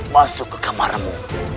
masuk ke kamaramu